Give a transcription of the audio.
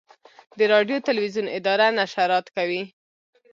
د راډیو تلویزیون اداره نشرات کوي